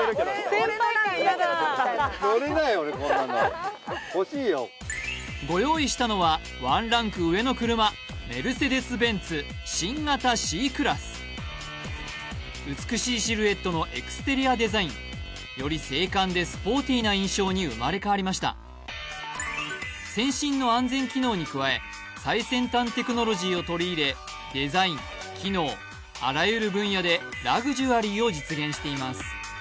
先輩感イヤだご用意したのはワンランク上の車美しいシルエットのエクステリアデザインより精悍でスポーティな印象に生まれ変わりました先進の安全機能に加え最先端テクノロジーを取り入れデザイン機能あらゆる分野でラグジュアリーを実現しています